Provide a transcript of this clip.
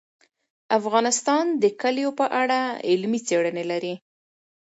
افغانستان د کلیو په اړه علمي څېړنې لري.